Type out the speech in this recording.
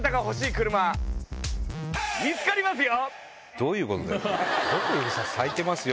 どういうことだよ！